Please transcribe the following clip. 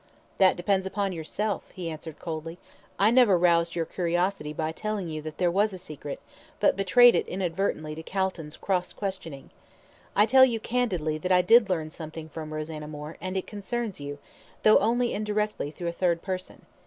"That depends upon yourself," he answered coldly. "I never roused your curiosity by telling you that there was a secret, but betrayed it inadvertently to Calton's cross questioning. I tell you candidly that I did learn something from Rosanna Moore, and it concerns you, though only indirectly through a third person.